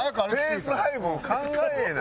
ペース配分考えな。